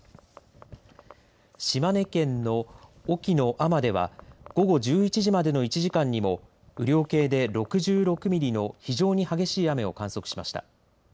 島根県の隠岐の海士では午後１１時までの１時間にも雨量計で６６ミリの非常に激しい雨を観測しました。